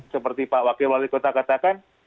seperti pak wakil wali kota katakan